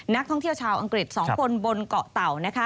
นักท่องเที่ยวชาวอังกฤษ๒คนบนเกาะเต่า